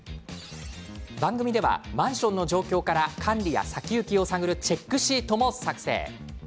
番組ではマンションの状況から管理や先行きを探るチェックシートも作成。